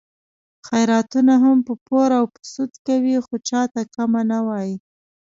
خیراتونه هم په پور او سود کوي، خو چاته کمه نه وایي.